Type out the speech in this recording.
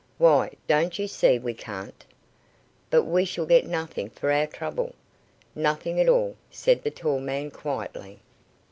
"Why, don't you see we can't?" "But we shall get nothing for our trouble." "Nothing at all," said the tall man, quietly.